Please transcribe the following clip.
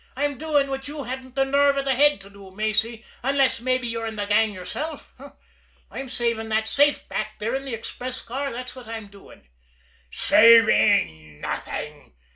"I'm doing what you hadn't the nerve or the head to do, Macy unless mabbe you're in the gang yourself! I'm saving that safe back there in the express car, that's what I'm doing." "Saving nothing!"